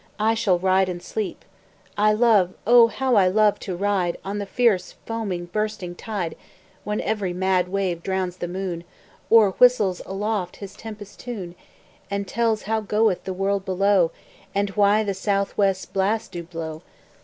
I shall ride and sleep. I love (oh! how I love) to ride On the fierce, foaming, bursting tide, When every mad wave drowns the moon, Or whistles aloft his tempest tune, And tells how goeth the world below, And why the south west blasts do blow.